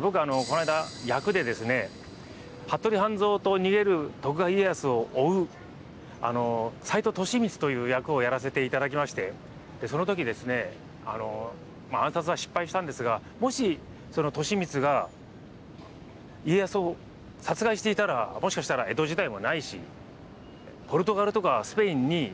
僕この間役でですね服部半蔵と逃げる徳川家康を追う斎藤利三という役をやらせて頂きましてその時ですね暗殺は失敗したんですがもしその利三が家康を殺害していたらもしかしたら江戸時代もないしポルトガルとかスペインに。